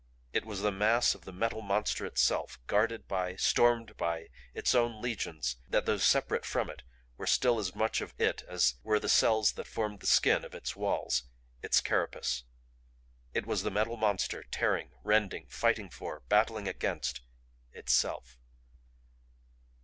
It was the mass of the Metal Monster itself, guarded by, stormed by, its own legions that though separate from it were still as much of it as were the cells that formed the skin of its walls, its carapace. It was the Metal Monster tearing, rending, fighting for, battling against itself.